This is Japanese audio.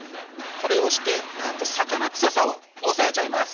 これをしてなんと魚くささを抑えちゃいます！